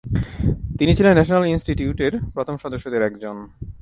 তিনি ছিলেন ন্যাশনাল ইন্সটিটিউটের প্রথম সদস্যদের একজন।